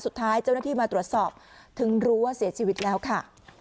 สุดท้ายเจ้าหน้าที่มาตรวจสอบถึงรู้ว่าเสียชีวิตแล้วค่ะ